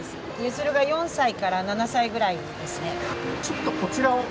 結弦が４歳から７歳ぐらいですね」